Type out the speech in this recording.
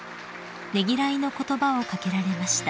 ［ねぎらいの言葉を掛けられました］